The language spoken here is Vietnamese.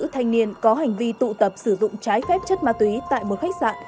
hai mươi một thanh niên có hành vi tụ tập sử dụng trái phép chất ma túy tại một khách sạn